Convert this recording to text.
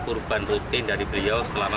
kurban rutin dari beliau selama